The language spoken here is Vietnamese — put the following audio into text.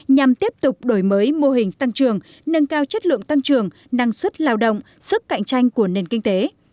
nhằm tiếp tục đổi mới mô hình tăng trường nâng cao chất lượng tăng trưởng năng suất lao động sức cạnh tranh của nền kinh tế